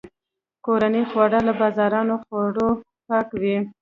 کورني خواړه له بازاري خوړو پاک وي.